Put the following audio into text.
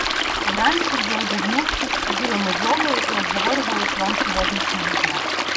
Вранці, вже одягнувшись, сиділи ми з Олею й обговорювали план сьогоднішнього дня.